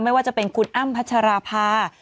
ไม่ว่าจะเป็นคุณอ้นต์พระภาพ